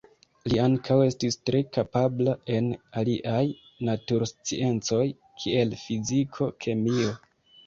Li ankaŭ estis tre kapabla en aliaj natursciencoj kiel fiziko, kemio.